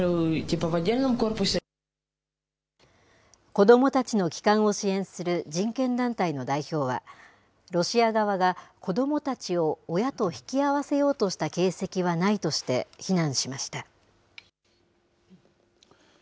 子どもたちの帰還を支援する人権団体の代表は、ロシア側が、子どもたちを親と引き合わせようとした形跡はないとして、非難しました。